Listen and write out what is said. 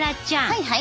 はいはい。